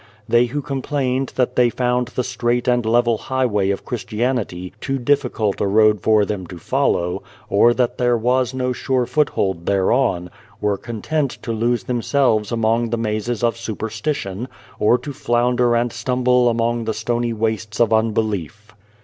They who complained that they found the straight and level highway of Christianity too difficult a road for them to follow, or that there was no sure foothold thereon, were content to lose themselves among the mazes of superstition, or to flounder and stumble among the stony wastes of un belief.